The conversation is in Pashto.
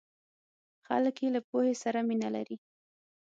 خلک یې له پوهې سره مینه لري.